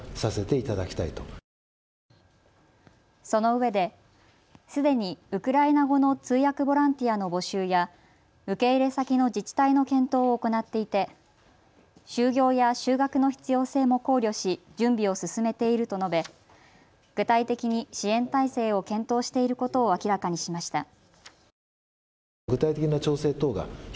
そのうえで、すでにウクライナ語の通訳ボランティアの募集や受け入れ先の自治体の検討を行っていて就業や修学の必要性も考慮し準備を進めていると述べ具体的に支援体制を検討していることを明らかにしました。